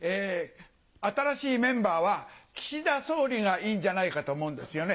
新しいメンバーは岸田総理がいいんじゃないかと思うんですよね。